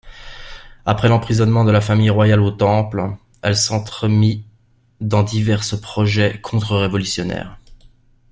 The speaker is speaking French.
Après l'emprisonnement de la famille royale au Temple, elle s'entremit dans divers projets contre-révolutionnaires.